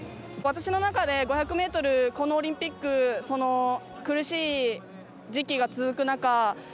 私の中で５００ｍこのオリンピック苦しい時期が続く中